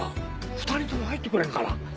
２人とも入ってくれんかな。